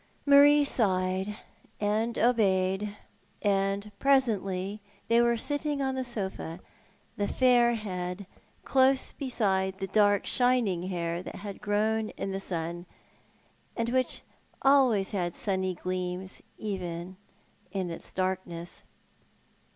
Marie sighed, and obeyed, and presently they were sitting on the sofa, the fair head close beside the dark shining hair that had grown in the sun, and which had sunny gleams, even in its darkness.